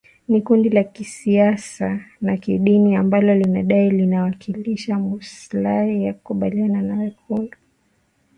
ni kundi la kisiasa na kidini ambalo linadai linawakilisha maslahi ya kabila la walendu